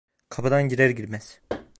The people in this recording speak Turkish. Kapıdan girer girmez…